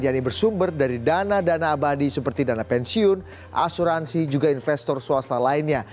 yang ini bersumber dari dana dana abadi seperti dana pensiun asuransi juga investor swasta lainnya